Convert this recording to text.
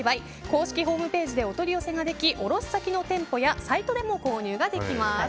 公式ホームページでお取り寄せができ卸先の店舗やサイトでも購入できます。